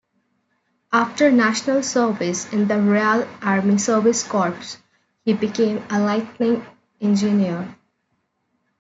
After National Service in the Royal Army Service Corps, he became a lighting engineer.